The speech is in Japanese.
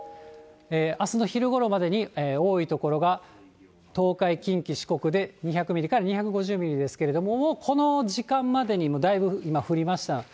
あすの昼ごろまでに、多い所が、東海、近畿、四国で２００ミリから２５０ミリですけれども、もうこの時間までにだいぶ降りました。